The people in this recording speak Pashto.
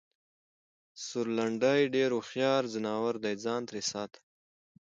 سورلنډی ډېر هوښیار ځناور دی٬ ځان ترې ساته!